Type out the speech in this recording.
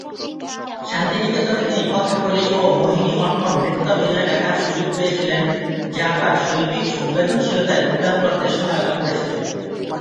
শান্তিনিকেতনে তিনি কথাকলি ও মোহিনীঅট্টম নৃত্যাভিনয় দেখার সুযোগ পেয়েছিলেন যা তাঁর শৈল্পিক সংবেদনশীলতায় রূপদান করতে সহায়তা করেছিল।